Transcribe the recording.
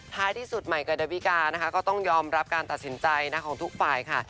ท้ายที่สุดใหม่กับดาวิกานะคะก็ต้องยอมรับการตัดสินใจของทุกฝ่ายค่ะ